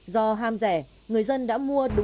do ham rẻ người dân đã mua đúng